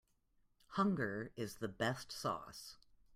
Hunger is the best sauce.